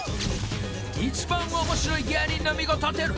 一番面白い芸人のみが立てる